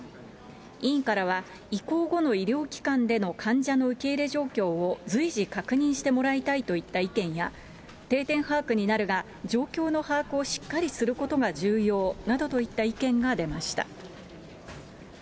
委員からは、移行後の医療機関での患者の受け入れ状況を随時確認してもらいたいといった意見や、定点把握になるが、状況の把握をしっかりすることが重要などといった意見が出ました。